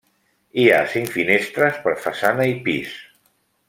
Hi ha cinc finestres per façana i pis.